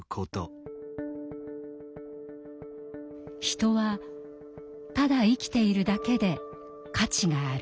人はただ生きているだけで価値がある。